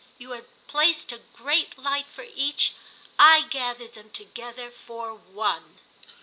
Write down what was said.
You had placed a great light for Each—I gathered them together for One!"